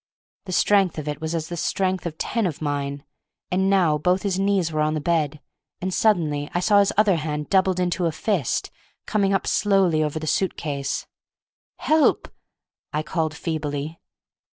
The strength of it was as the strength of ten of mine; and now both his knees were on the bed; and suddenly I saw his other hand, doubled into a fist, coming up slowly over the suit case. "Help!" I called feebly.